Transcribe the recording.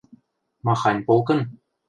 – Махань полкын?